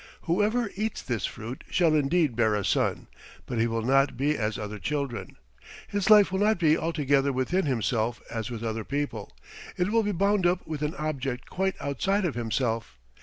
Whoever eats this fruit shall indeed bear a son, but he will not be as other children. His life will not be altogether within himself as with other people; it will be bound up with an object quite outside of himself.